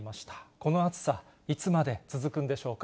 この暑さ、いつまで続くんでしょうか。